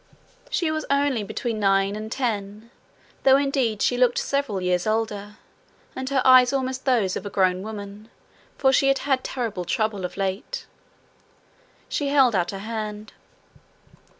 She was only between nine and ten, though indeed she looked several years older, and her eyes almost those of a grown woman, for she had had terrible trouble of late. She held out her hand.